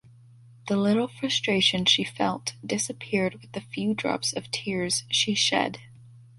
The little frustration she felt disappeared with the few drops of tears she shed.